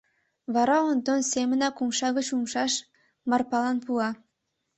Вара Онтон семынак умша гыч умшаш Марпалан пуа.